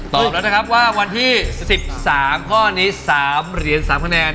ตอบแล้วนะครับว่าวันที่๑๓ข้อนี้๓เหรียญ๓คะแนน